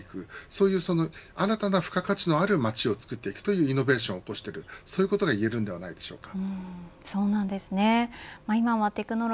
そういう新たな付加価値のある街を作っていくというイノベーションを作っているそういうことが言えるのではないでしょうか。